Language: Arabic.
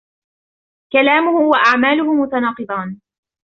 كلامه واعماله متاناقضان.